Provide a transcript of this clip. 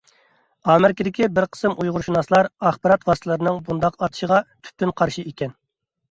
ئامېرىكىدىكى بىر قىسىم ئۇيغۇرشۇناسلار ئاخبارات ۋاسىتىلىرىنىڭ بۇنداق ئاتىشىغا تۈپتىن قارشى ئىكەن.